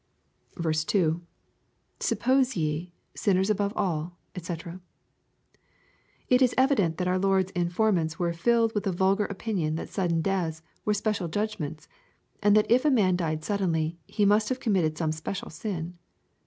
2. — [Suppoee ye^jsinners above aU, dec] It is evident that our Lord's informania were filled with the vulgar opinion that sudden deaths were sj^ecial judgments, and that if a man died suddenly, he must have f ^mmitted some special sin.